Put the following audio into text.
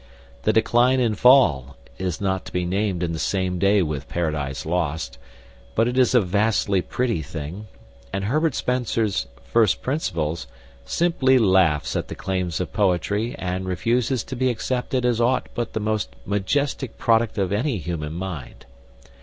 "The Decline and Fall" is not to be named in the same day with "Paradise Lost," but it is a vastly pretty thing; and Herbert Spencer's "First Principles" simply laughs at the claims of poetry and refuses to be accepted as aught but the most majestic product of any human mind.